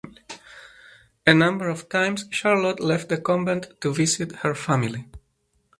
A number of times Charlotte left the convent to visit her family.